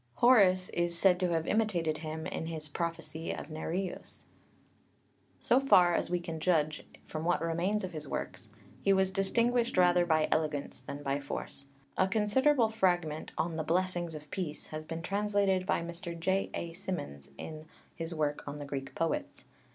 Horace is said to have imitated him in his Prophecy of Nereus, c. I. xv. (Pauly, as above). So far as we can judge from what remains of his works, he was distinguished rather by elegance than by force. A considerable fragment on the Blessings of Peace has been translated by Mr. J. A. Symonds in his work on the Greek poets.